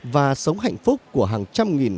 và sống hạnh phúc của hàng trăm nghìn